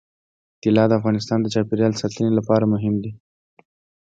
طلا د افغانستان د چاپیریال ساتنې لپاره مهم دي.